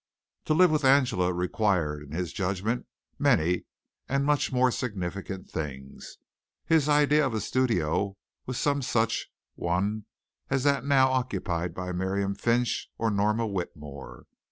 To live with Angela required, in his judgment, many and much more significant things. His idea of a studio was some such one as that now occupied by Miriam Finch or Norma Whitmore.